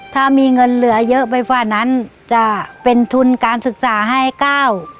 ถ้ามีเงินเหลือเยอะไปฝ่านั้นจะเป็นทุนการศึกษาให้ก้าว